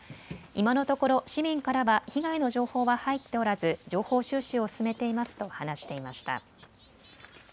今のところ市民からは被害の情報は入っておらず情報収集を進めていますと話していました。